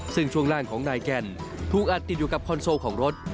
ซึ่งช่วงล่างของนายแก่นถูกอัดติดอยู่กับคอนโซลของรถ